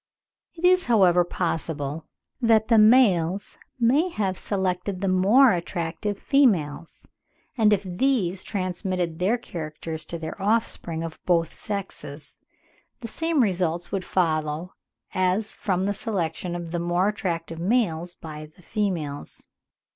It is, however, possible that the males may have selected the more attractive females; and if these transmitted their characters to their offspring of both sexes, the same results would follow as from the selection of the more attractive males by the females.